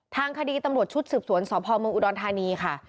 ทางคดีตำรวจชุดสืบสวนสพเมืองอุดรธานีค่ะ